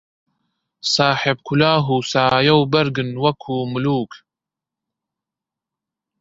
ساحێب کولاهـ و سایە و بەرگن وەکوو مولووک